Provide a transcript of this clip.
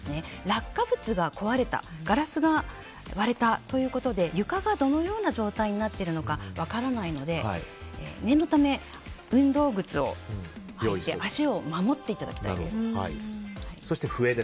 落下物が壊れたガラスが割れたということで床がどのような状態になっているのか分からないので念のため、運動靴を履いて足を守っていただきたいです。